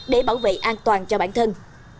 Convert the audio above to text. để bảo vệ an toàn cho bản thân